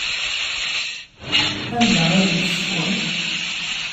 Anda ay tent-tessekwem?